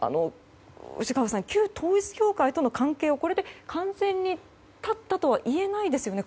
藤川さん、旧統一教会との関係をこれで完全に断ったとは言えないですよね。